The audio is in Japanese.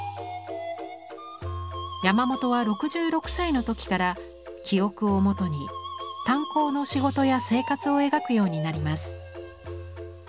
山本は６６歳の時から記憶をもとに炭坑の仕事や生活を描くようになります。